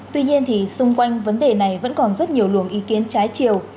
tuy nhiên thì xung quanh vấn đề này vẫn còn rất nhiều luồng ý kiến trái chiều